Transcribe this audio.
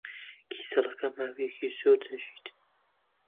کیسەڵەکە ماوەیەکی زۆر دەژیت.